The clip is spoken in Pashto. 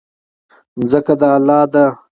ځمکه د الله ده.